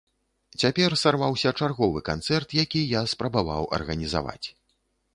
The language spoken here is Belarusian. Цяпер сарваўся чарговы канцэрт, які я спрабаваў арганізаваць.